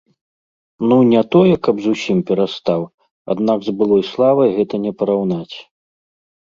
Ну, не тое каб зусім перастаў, аднак з былой славай гэта не параўнаць.